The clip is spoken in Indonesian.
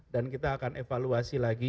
dan kita akan evaluasi lagi